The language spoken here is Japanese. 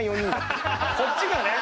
こっちがね！